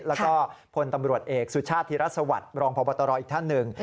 แล้วก็พลตำรวจเอกสุชาติธิรัฐสวัสดิ์รองพบตรอีกท่านหนึ่ง